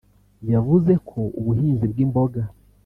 yavuze ko ubuhinzi bw’imboga